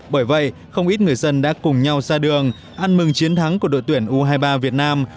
bởi vậy không ít người dân đã cùng nhau ra đường ăn mừng chiến thắng của đội tuyển u hai mươi ba việt nam